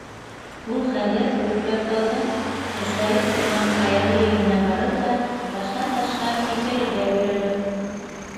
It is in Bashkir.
Ул хәҙер Күкрәктауҙың ослайып торған ҡаялы еренә барыр ҙа таштан ташҡа һикерергә өйрәнер.